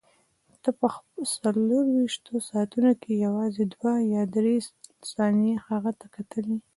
ته به په څلورویشتو ساعتو کې یوازې دوه یا درې ثانیې هغه ته کتلې.